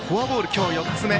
今日、４つ目。